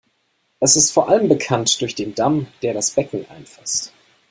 Es ist vor allem bekannt durch den Damm, der das Becken einfasst.